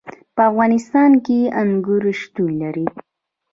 په افغانستان کې انګور شتون لري.